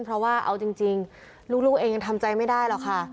เพราะว่าเอาจริงลูกเองยังทำใจไม่ได้หรอกค่ะ